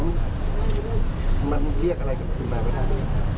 ในสิ่งที่เรารับ